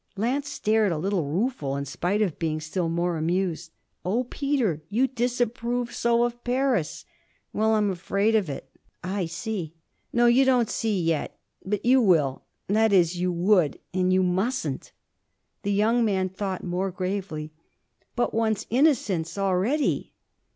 Lance stared, a little rueful in spite of being still more amused. 'Oh Peter! You disapprove so of Paris?' 'Well, I'm afraid of it.' 'Ah I see!' 'No, you don't see yet. But you will that is you would. And you mustn't.' The young man thought more gravely. 'But one's innocence, already